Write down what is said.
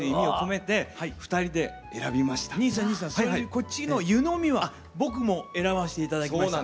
それにこっちの湯飲みは僕も選ばして頂きました。